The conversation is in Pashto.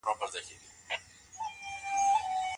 رنسانس د تياره پېړيو وروسته د رڼا څرک و.